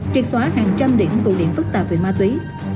triệt xóa hàng trăm điểm cụ điểm phức tạp về ma túy